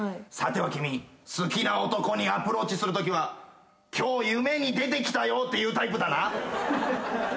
さては君好きな男にアプローチするときは「今日夢に出てきたよ」って言うタイプだな？